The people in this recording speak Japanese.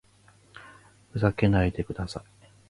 ふざけないでください